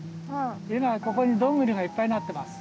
今ここにどんぐりがいっぱいなってます。